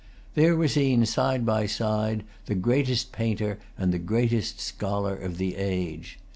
There were seen, side by side, the greatest painter and the greatest scholar of the age.